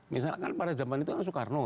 misalkan pada zaman itu soekarno